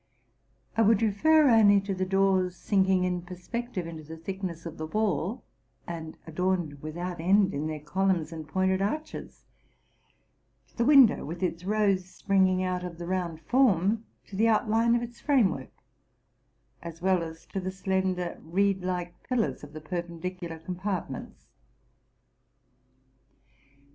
I would refer only to the doors sinking in perspective into the thickness of the wall, and adorned without end in their columns and pointed arches; to the window with its rose springing out of the round form; to the outline of its frame work, as well as to the slender reed like pillars of the perpen dicularcompartments.